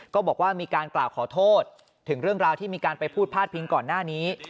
ก็บอกว่ามีการกล่าวขอโทษถึงเรื่องราวที่มีการไปพูดพาดพิงก่อนหน้านี้